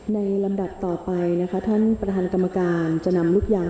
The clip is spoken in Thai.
ลำดับต่อไปนะคะท่านประธานกรรมการจะนำลูกยาง